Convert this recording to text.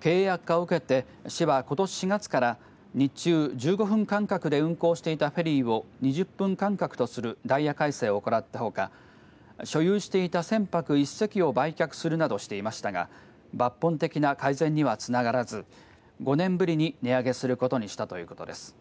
経営悪化を受けて市はことし４月から日中１５分間隔で運航していたフェリーを２０分間隔するダイヤ改正を行ったほか所有していた船舶１隻を売却するなどしていましたが抜本的な改善にはつながらず５年ぶりに値上げすることにしたということです。